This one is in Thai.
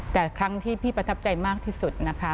แต่ครั้งที่พี่ประทับใจมากที่สุดนะคะ